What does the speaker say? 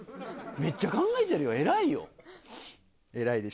めっちゃ考えてるよ偉いよ。